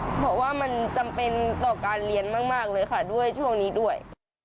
เพราะว่ามันจำเป็นต่อการเรียนมากเลยค่ะด้วยช่วงนี้ด้วย